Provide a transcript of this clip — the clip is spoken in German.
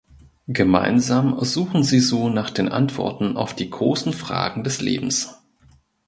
Gemeinsam suchen sie so nach den Antworten auf die großen Fragen des Lebens.